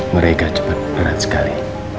mereka cepat berat sekali